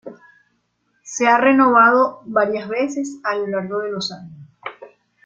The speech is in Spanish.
Se ha renovado varias veces a lo largo de los años.